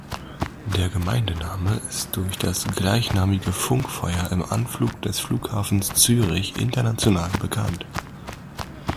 Der Gemeindename ist durch das gleichnamige Funkfeuer im Anflug des Flughafens Zürich international bekannt.